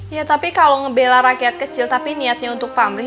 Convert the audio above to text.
ya tapi kalau ngebela rakyat kecil tapi niatnya untuk pamri